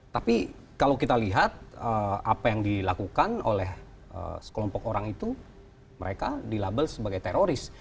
tapi kalau kita lihat apa yang dilakukan oleh sekelompok orang itu mereka dilabel sebagai teroris